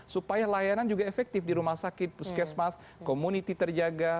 supaya layanan juga efektif di rumah sakit puskesmas community terjaga